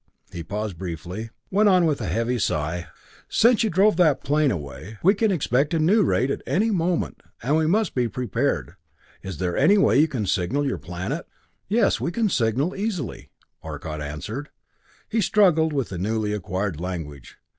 He paused briefly; went on with a heavy sigh: "Since you drove that plane away, we can expect a new raid at any moment, and we must be prepared. Is there any way you can signal your planet?" "Yes we can signal easily," Arcot answered; he struggled with the newly acquired language.